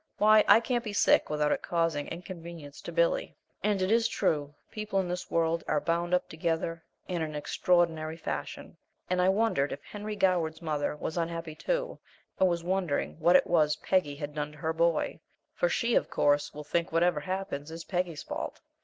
Why, I can't be sick without its causing inconvenience to Billy." And it is true; people in this world are bound up together in an extraordinary fashion; and I wondered if Henry Goward's mother was unhappy too, and was wondering what it was Peggy had done to her boy, for she, of course, will think whatever happens is Peggy's fault.